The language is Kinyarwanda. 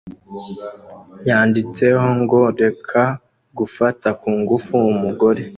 yanditseho ngo "Reka gufata kungufu umugore